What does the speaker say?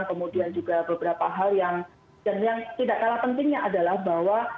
kemudian juga beberapa hal yang tidak kalah pentingnya adalah bahwa